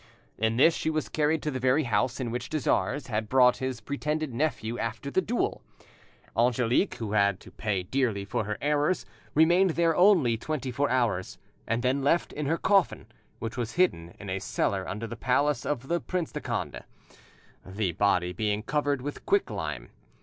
In this she was carried to the very house to which de Jars had brought his pretended nephew after the duel. Angelique, who had to pay dearly for her errors, remained there only twenty four hours, and then left in her coffin, which was hidden in a cellar under the palace of the Prince de Conde, the body being covered with quicklime.